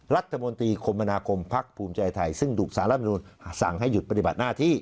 รัฐมนตรีคมบรรณาคมภักดิ์ภูมิใจไทยซึ่งดุสารรับบินูลสั่งให้หยุดปฏิบัติหน้าที่